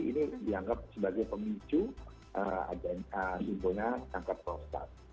ini dianggap sebagai pemicu simpulnya kanker prostat